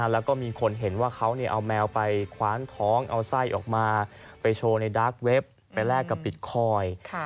แล้วก็มีคนเห็นว่าเขาเอาแมวไปคว้านท้องเอาไส้ออกมาไปโชว์ในดาร์กเว็บไปแลกกับปิดคอย